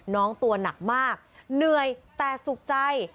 น้องตัวหนักมากเหนื่อยแต่สุขใจ